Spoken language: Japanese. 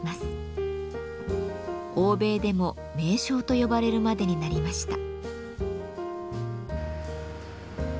欧米でも名匠と呼ばれるまでになりました。